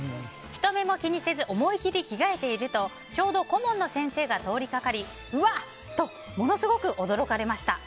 人目も気にせず思い切り着替えているとちょうど顧問の先生が通りかかりうわ！とものすごく驚かれました。